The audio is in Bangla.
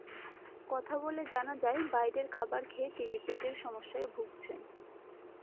কথা বলে জানা যায়, বাইরের খাবার খেয়ে তিনি পেটের সমস্যায় ভুগছেন।